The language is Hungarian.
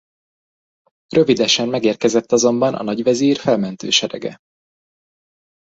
Rövidesen megérkezett azonban a nagyvezír felmentő serege.